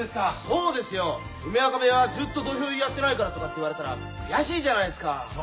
梅若部屋はずっと土俵入りやってないからとかって言われたら悔しいじゃないですか。